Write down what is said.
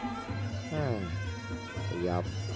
โอ้โหขยับ